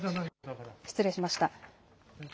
失礼しました。